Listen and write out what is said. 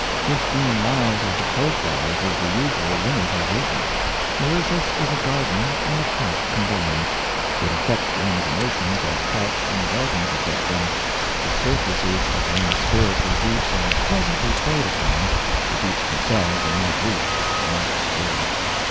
Fifteen miles as the crow flies is the usual limit of vision. Mauritius is a garden and a park combined. It affects one's emotions as parks and gardens affect them. The surfaces of one's spiritual deeps are pleasantly played upon, the deeps themselves are not reached, not stirred.